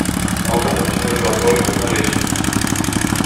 "Nauka ta przechodziła z ojców na dzieci."